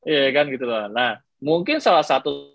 iya kan gitu loh nah mungkin salah satu